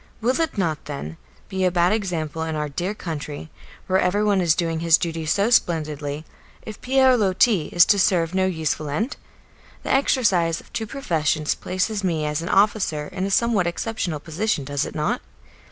Will it not, then, be a bad example in our dear country, where everyone is doing his duty so splendidly, if Pierre Loti is to serve no useful end? The exercise of two professions places me as an officer in a somewhat exceptional position, does it not?